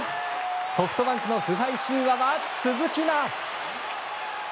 ソフトバンクの不敗神話は続きます。